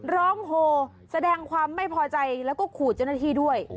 โหแสดงความไม่พอใจแล้วก็ขู่เจ้าหน้าที่ด้วย